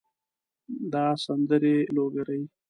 دا سندرې لوګري